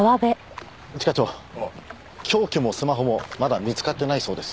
一課長凶器もスマホもまだ見つかってないそうです。